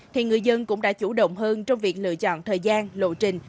thì người dân cũng đã chủ động hơn trong việc lựa chọn thời gian lộ trình